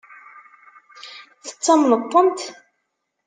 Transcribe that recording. Tettamneḍ-tent?